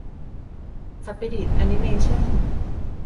สปิริตแอนิเมชั่น